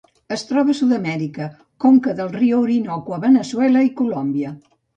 Es troba a Sud-amèrica: conca del riu Orinoco a Veneçuela i Colòmbia.